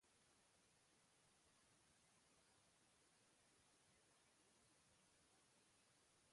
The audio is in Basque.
Tenperatura jaitsi egingo da, batez ere barnealdean.